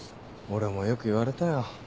俺もよく言われたよ